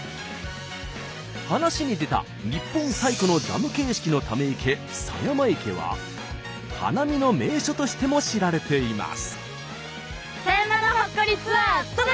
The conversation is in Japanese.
話に出た日本最古のダム形式のため池狭山池は花見の名所としても知られています。